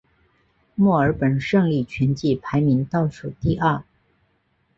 墨尔本胜利全季排名倒数第二。